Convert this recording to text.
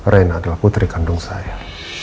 rein adalah putri kandung saya